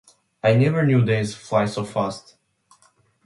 I never knew days fly so fast.